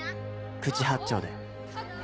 口八丁で。